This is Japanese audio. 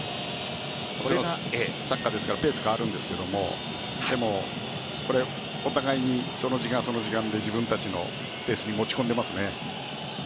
サッカーですからペースが変わるんですけどお互いにその時間で自分たちのペースに持ち込んでますね。